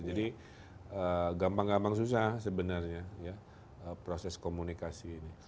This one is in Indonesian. jadi gampang gampang susah sebenarnya ya proses komunikasi ini